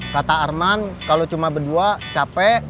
kata arman kalau cuma berdua capek